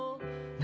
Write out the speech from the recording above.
何？